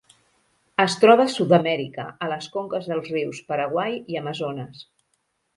Es troba a Sud-amèrica, a les conques dels rius Paraguai i Amazones.